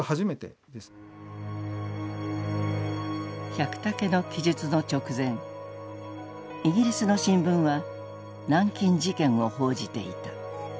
百武の記述の直前イギリスの新聞は南京事件を報じていた。